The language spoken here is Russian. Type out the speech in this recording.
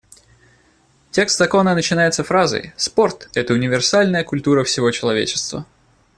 Текст закона начинается фразой: «Спорт — это универсальная культура всего человечества».